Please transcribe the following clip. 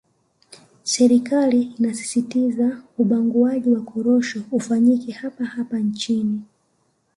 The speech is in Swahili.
Serikali inasisitiza ubanguaji wa korosho ufanyike hapa hapa nchini